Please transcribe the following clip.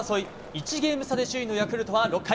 １ゲーム差で首位のヤクルトは６回。